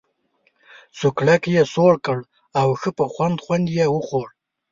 سوکړک یې سوړ کړ او ښه په خوند خوند یې وخوړ.